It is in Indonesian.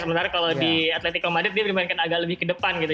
sementara kalau di atletico madrid dia dimainkan agak lebih ke depan gitu